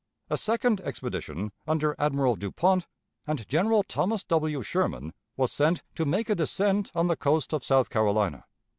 A second expedition, under Admiral Dupont and General Thomas W. Sherman, was sent to make a descent on the coast of South Carolina.